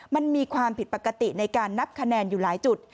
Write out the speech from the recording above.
มันมีความผิดปกติในการนับคะแนนอยู่หลายจุด